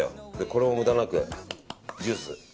これも無駄なく、ジュース。